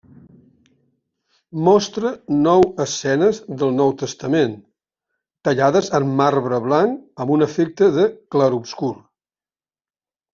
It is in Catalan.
Mostra nou escenes del Nou Testament, tallades en marbre blanc amb un efecte de clarobscur.